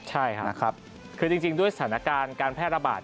ใช่ค่ะครับคือจริงด้วยสถานการณ์การแพร่ระบาด